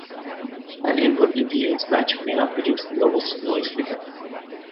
An input impedance match may not produce the lowest noise figure.